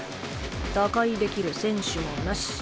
打開できる選手もなし。